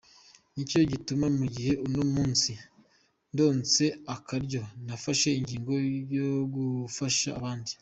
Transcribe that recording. "Nico gituma mu gihe uno munsi ndonse akaryo, nafashe ingingo yo gufasha abandi.